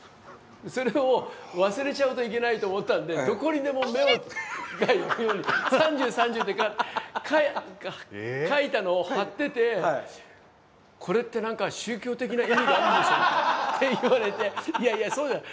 それを忘れちゃうといけないと思ったんでどこにでも目が行くように「３０」「３０」って書いたのを貼ってて「これってなんか宗教的な意味があるんでしょうか？」って言われていやいやそうじゃない。